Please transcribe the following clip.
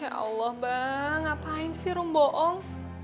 ya allah bang ngapain sih rum bohong